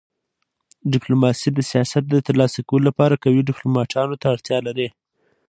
ډيپلوماسي د سیاست د تر لاسه کولو لپاره قوي ډيپلوماتانو ته اړتیا لري.